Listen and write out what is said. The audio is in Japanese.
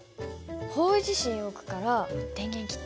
方位磁針を置くから電源切って。